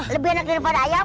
lebih enak daripada ayam